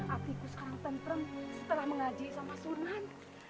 apiku sekarang tempran setelah mengaji sama sunan